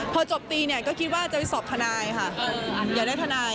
เมื่อจบตีเนี่ยก็คิดว่าจะมากรอยแสมสอบทในค่ะ